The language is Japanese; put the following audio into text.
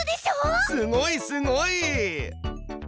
すごいすごい！